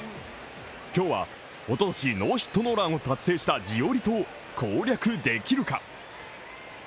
今日はおととしノーヒットノーランを達成したジオリトを攻略できるか。